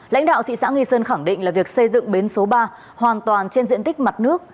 lãnh đạo thị xã nghi sơn khẳng định là việc xây dựng bến số ba hoàn toàn trên diện tích mặt nước